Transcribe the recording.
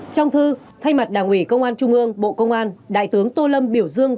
trong thư thay mặt đảng ủy công an trung ương bộ công an đại tướng tô lâm biểu dương